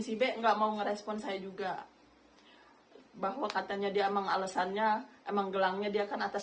sibe enggak mau ngerespon saya juga bahwa katanya dia mengalesannya emang gelangnya dia akan atas